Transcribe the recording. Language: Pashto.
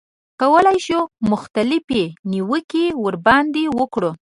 کولای شو مختلفې نیوکې ورباندې وکړو.